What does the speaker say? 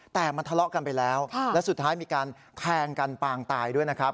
แต่มันทะเลาะกันไปแล้วและสุดท้ายมีการแทงกันปางตายด้วยนะครับ